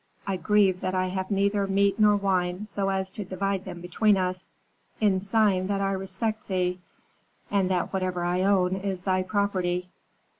I grieve that I have neither meat nor wine, so as to divide them between us, in sign that I respect thee, and that whatever I own is thy property.'